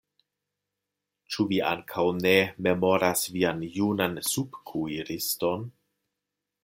Ĉu vi ankaŭ ne memoras vian junan subkuiriston?